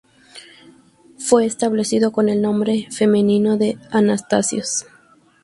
Fue establecido como el nombre femenino de "Anastasios".